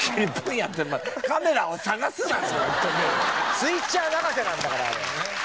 スイッチャー泣かせなんだからあれ。